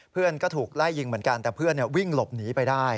เพื่อนก็ถูกไล่ยิงเหมือนกันแต่เพื่อนวิ่งหลบหนีไปได้